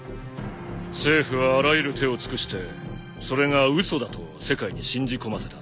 政府はあらゆる手を尽くしてそれが嘘だと世界に信じこませた。